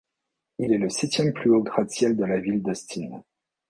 Il est le septième plus haut gratte-ciel de la ville d'Austin.